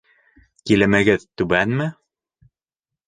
Килемегеҙ түбәнме?